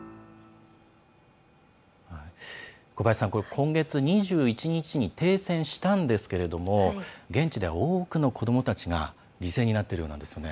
小林さん、今月２１日に停戦したんですけれども現地では多くの子どもたちが犠牲になっているようなんですね。